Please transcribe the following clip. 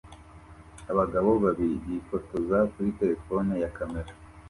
Abagabo babiri bifotoza kuri terefone ya kamera